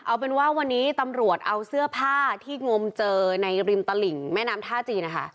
เอาเป็นว่าวันนี้ตำรวจเอาเสื้อผ้าที่งมเจอในริมตลิ่งแม่น้ำท่าจีนนะคะ